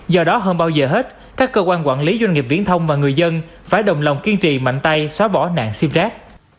do đó hơn bao giờ hết các cơ quan quản lý doanh nghiệp viễn thông và người dân phải đồng lòng kiên trì mạnh tay xóa bỏ nạn sim rác